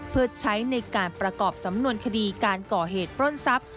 เพื่อใช้ในการประกอบสำนวนคดีการก่อเหตุปล้นทรัพย์